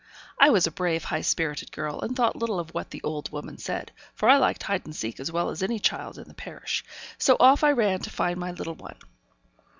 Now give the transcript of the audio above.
I was a brave, high spirited girl, and thought little of what the old woman said, for I liked hide and seek as well as any child in the parish; so off I ran to find my little one.